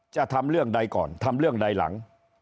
จะทำเรื่องใดก่อนทำเรื่องใดหลัง